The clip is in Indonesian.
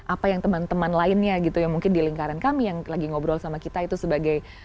apa yang teman teman lainnya gitu ya mungkin di lingkaran kami yang lagi ngobrol sama kita itu sebagai